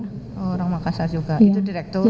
orang makassar juga itu direktur